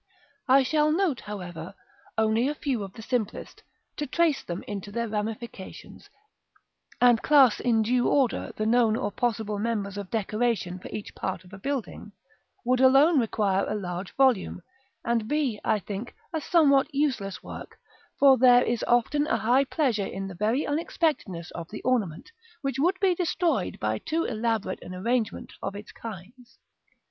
I shall note, however, only a few of the simplest; to trace them into their ramifications, and class in due order the known or possible methods of decoration for each part of a building, would alone require a large volume, and be, I think, a somewhat useless work; for there is often a high pleasure in the very unexpectedness of the ornament, which would be destroyed by too elaborate an arrangement of its kinds.